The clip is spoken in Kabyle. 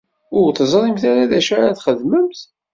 Ur teẓrimt ara d acu ara txedmemt?